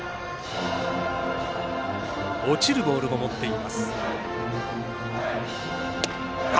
落ちるボールも持っています。